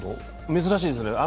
珍しいですね。